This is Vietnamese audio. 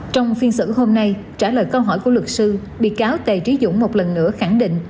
trong phiên xử hôm nay trả lời câu hỏi của luật sư bị cáo tài trí dũng một lần nữa khẳng định